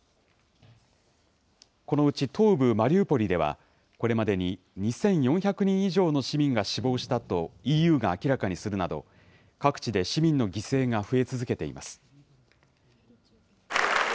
このうち東部マリウポリではこれまでに２４００人以上の市民が死亡したとＥＵが明らかにするなど各地で市民の犠牲が増え続けています。